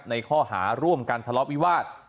ในข้อหาร่วมการทะลอบวิวาส